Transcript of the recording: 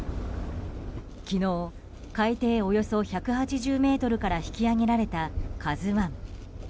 昨日、海底およそ１８０ｍから引き揚げられた「ＫＡＺＵ１」。